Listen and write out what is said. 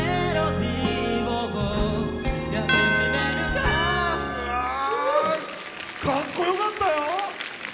かっこよかったよ！